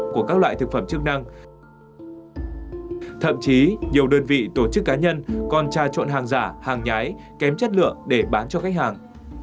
các loại thực phẩm chức năng thậm chí nhiều đơn vị tổ chức cá nhân còn tra trộn hàng giả hàng nhái kém chất lượng để bán cho khách hàng